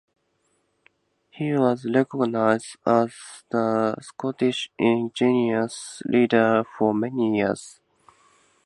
He was recognised as the Scottish engineers' leader for many years.